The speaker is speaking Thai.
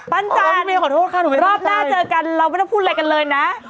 ป้านจ่านรอบหน้าเจอกันเราไม่ต้องพูดอะไรกันเลยนะ